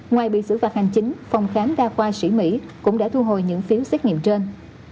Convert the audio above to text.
ngoài bị xử phạt hành chính phòng khám đa khoa sĩ mỹ cũng đã thu hồi những phiếu xét nghiệm trên